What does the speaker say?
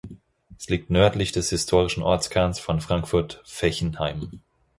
Es liegt nördlich des historischen Ortskerns von Frankfurt-Fechenheim.